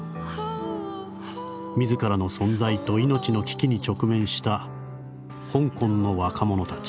「自らの存在と命の危機に直面した香港の若者たち。